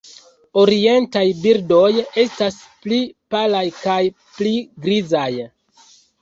Orientaj birdoj estas pli palaj kaj pli grizaj.